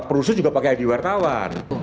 perusuh juga pakai id wartawan